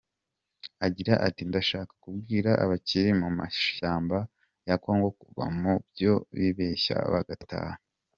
Agira ati "Ndashaka kubwira abakiri mu mashyamba ya kongo kuva mu byo bibeshya bagataha.